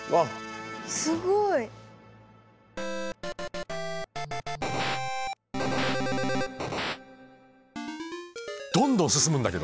すごい！どんどん進むんだけど。